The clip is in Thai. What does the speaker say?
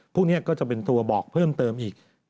พวกนี้ก็จะเป็นตัวบอกเพิ่มเติมอีก